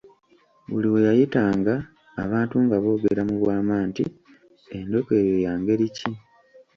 Buli we yayitanga abantu nga boogera mu bwama nti, endeku eyo ya ngeri ki?